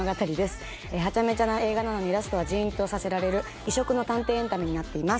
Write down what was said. ハチャメチャな映画なのにラストはじーんとさせられる異色の探偵エンタメになっています。